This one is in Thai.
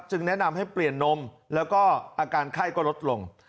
แนะนำให้เปลี่ยนนมแล้วก็อาการไข้ก็ลดลง